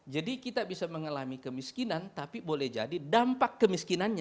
jadi kita bisa mengalami kemiskinan tapi boleh jadi dampak kemiskinan yang lainnya